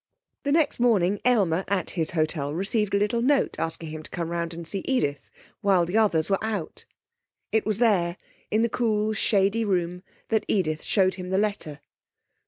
The next morning Aylmer at his hotel received a little note asking him to come round and see Edith, while the others were out. It was there, in the cool, shady room, that Edith showed him the letter.